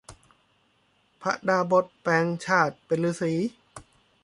พระดาบศแปลงชาติเป็นฤๅษี